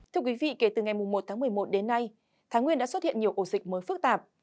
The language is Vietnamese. thưa quý vị kể từ ngày một tháng một mươi một đến nay thái nguyên đã xuất hiện nhiều ổ dịch mới phức tạp